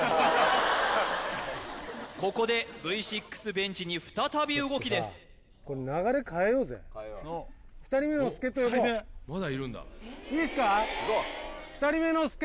ここでＶ６ベンチに再び動きですいいっすか？